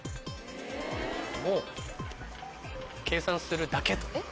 もう計算するだけ。